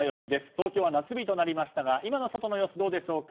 東京は夏日となりましたが今の外の様子はどうでしょうか。